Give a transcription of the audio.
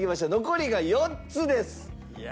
残りが４つです。